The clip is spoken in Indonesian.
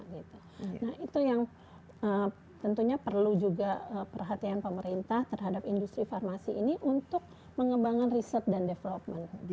nah itu yang tentunya perlu juga perhatian pemerintah terhadap industri farmasi ini untuk mengembangkan riset dan development